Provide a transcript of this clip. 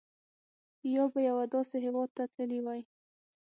یا به یوه داسې هېواد ته تللي وای.